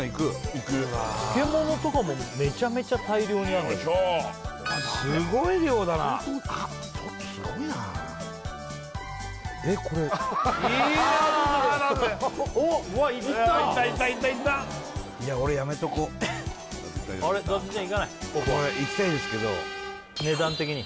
いく漬物とかもめちゃめちゃ大量にあるすごい量だなすごいなえっこれいったいったいったいったいった俺やめとこ伊達ちゃんいかないいきたいですけど値段的に？